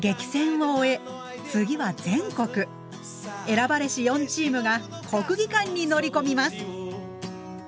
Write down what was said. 選ばれし４チームが国技館に乗り込みます。